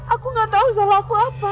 aku gak tau salahku apa